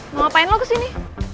mau ngapain lo kesini